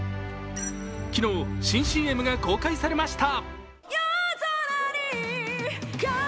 昨日、新ＣＭが公開されました。